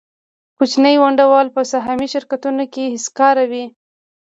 کوچني ونډه وال په سهامي شرکتونو کې هېڅکاره وي